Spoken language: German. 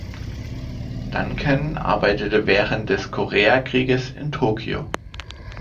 Duncan arbeitete während des Koreakrieges in Tokyo.